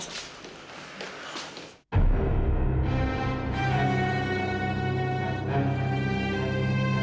saya tau iklan ifah